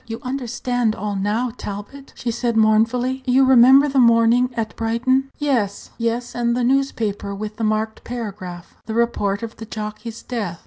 You understand all now, Talbot," she said mournfully. "You remember the morning at Brighton?" "Yes, yes; and the newspaper with the marked paragraph the report of the jockey's death."